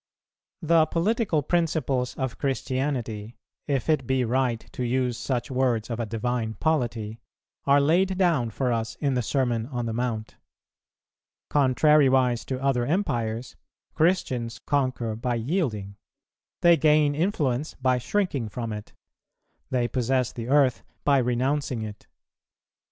The political principles of Christianity, if it be right to use such words of a divine polity, are laid down for us in the Sermon on the Mount. Contrariwise to other empires, Christians conquer by yielding; they gain influence by shrinking from it; they possess the earth by renouncing it.